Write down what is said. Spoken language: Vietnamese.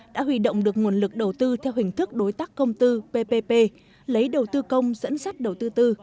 đã huy động được nguồn lực đầu tư theo hình thức đối tác công tư ppp lấy đầu tư công dẫn dắt đầu tư tư